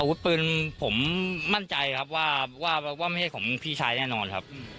อาวุธปืนผมมั่นใจครับว่าไม่ใช่ของพี่ชายแน่นอนครับ